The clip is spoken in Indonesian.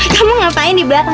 kamu ngapain di belakang